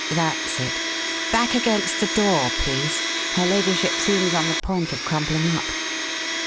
That's it. Back against the door, please; her ladyship seems on the point of crumpling up."